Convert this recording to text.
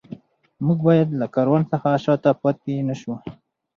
موږ باید له کاروان څخه شاته پاتې نه شو.